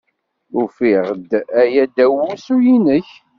Ufiɣ-d aya ddaw wusu-nnek.